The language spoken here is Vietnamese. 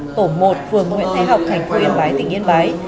tổ một phường nguyễn thái học tp yên bái tỉnh yên bái